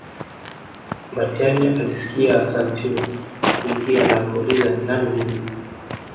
Mbatiany alisikia Santeu akiingia na akauliza nani huyo